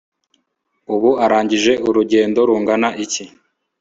ubu arangije urugendo rungana iki»